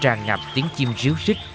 tràn ngập tiếng chim ríu rích